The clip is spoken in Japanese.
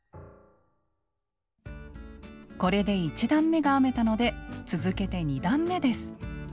これで１段めが編めたので続けて２段めです。